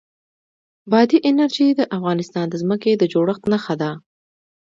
بادي انرژي د افغانستان د ځمکې د جوړښت نښه ده.